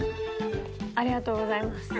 ありがとうございます。